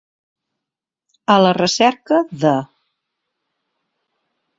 A la recerca de.